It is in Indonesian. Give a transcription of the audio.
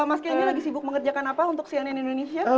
mas kelmi lagi sibuk mengerjakan apa untuk cnn indonesia